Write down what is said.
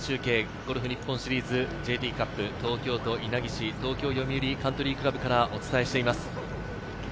ゴルフ日本シリーズＪＴカップ、東京都稲城市、東京よみうりカントリークラブからお伝えしています。